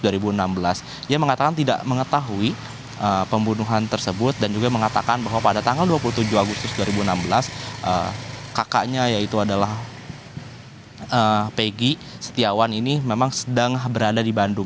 dia mengatakan tidak mengetahui pembunuhan tersebut dan juga mengatakan bahwa pada tanggal dua puluh tujuh agustus dua ribu enam belas kakaknya yaitu adalah pegi setiawan ini memang sedang berada di bandung